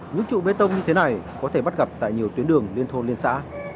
những trụ bê tông như thế này có thể bắt gặp tại nhiều tuyến đường liên thôn liên xã